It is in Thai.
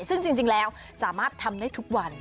ซึ่งจริงแล้วสามารถทำได้ทุกวัน